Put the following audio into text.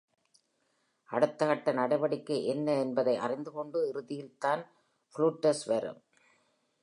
அடுத்த கட்ட நடவடிக்கை என்ன என்பதை அறிந்துகொண்டு இறுதியில்தான் Flutes வரும்.